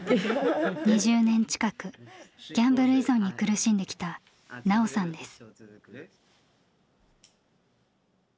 ２０年近くギャンブル依存に苦しんできたナオさんです。